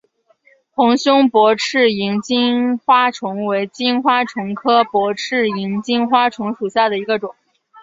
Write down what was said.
红胸薄翅萤金花虫为金花虫科薄翅萤金花虫属下的一个种。